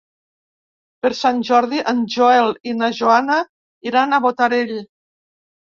Per Sant Jordi en Joel i na Joana iran a Botarell.